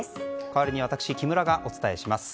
代わりに私木村がお伝えします。